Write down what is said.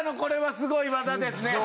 すごい技です